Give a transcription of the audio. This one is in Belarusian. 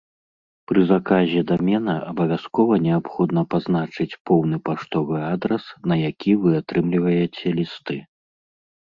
Пры заказе дамена абавязкова неабходна пазначыць поўны паштовы адрас, на які вы атрымліваеце лісты.